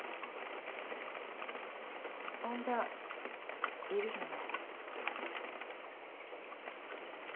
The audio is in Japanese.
女いるよね？